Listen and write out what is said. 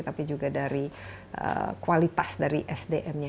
tapi juga dari kualitas dari sdm nya